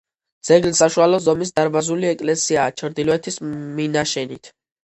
ძეგლი საშუალო ზომის, დარბაზული ეკლესიაა, ჩრდილოეთის მინაშენით.